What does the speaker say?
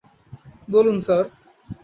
বলুন, স্যার?